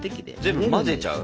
全部混ぜちゃう？